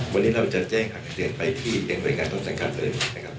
วันนี้เราจะแจ้งหักเตือนไปที่ในโดยงานต้อนจัดการเลยนะครับ